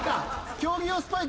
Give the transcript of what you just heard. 競技用スパイク